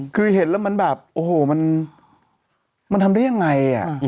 คือเห็นแล้วมันแบบโอ้โหมันทำได้ยังไง